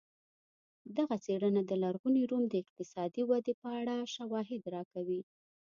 دغه څېړنه د لرغوني روم د اقتصادي ودې په اړه شواهد راکوي